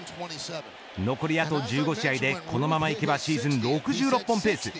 残りあと１５試合でこのままいけばシーズン６６本ペース。